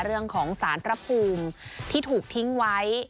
เรื่องของสารพระภูมิที่ถูกทิ้งไว้